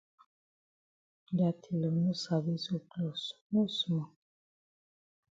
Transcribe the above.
Dat tailor no sabi sew closs no small.